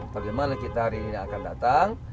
bagaimana kita hari ini akan datang